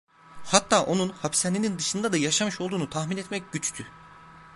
Hatta onun hapishanenin dışında da yaşamış olduğunu tahmin etmek güçtü.